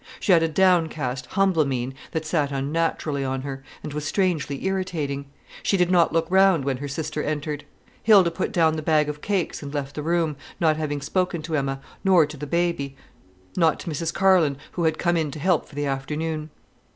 She had a downcast, humble mien that sat unnaturally on her, and was strangely irritating. She did not look round when her sister entered. Hilda put down the bag of cakes and left the room, not having spoken to Emma, nor to the baby, not to Mrs Carlin, who had come in to help for the afternoon.